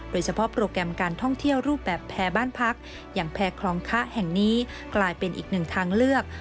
โปรแกรมการท่องเที่ยวรูปแบบแพร่บ้านพักอย่างแพร่คลองคะแห่งนี้กลายเป็นอีกหนึ่งทางเลือก